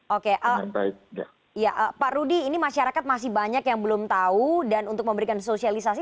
oke pak rudy ini masyarakat masih banyak yang belum tahu dan untuk memberikan sosialisasi